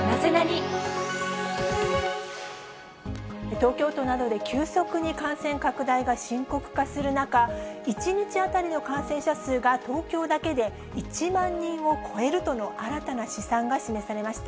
東京都などで急速に感染拡大が深刻化する中、１日当たりの感染者数が東京だけで１万人を超えるとの、新たな試算が示されました。